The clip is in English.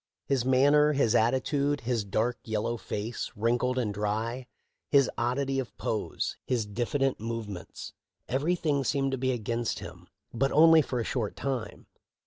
His man ner, his attitude, his dark, yellow face, wrinkled and dry, his oddity of pose, his diffident movements — everything seemed to be against him, but only for a short time.